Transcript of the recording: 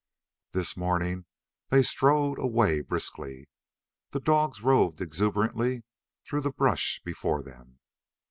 This morning they strode away briskly. The dogs roved exuberantly through the brush before them.